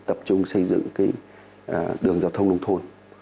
tập trung xây dựng đường giao thông nông thôn